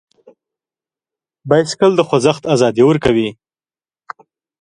بایسکل د خوځښت ازادي ورکوي.